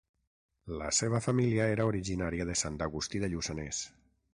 La seva família era originària de Sant Agustí de Lluçanès.